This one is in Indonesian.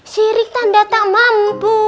sirik tanda tak mampu